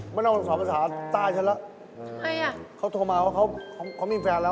มันเอาโทรศัพท์ปราสาทตายฉันแล้ว